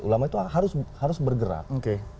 ulama itu harus bergerak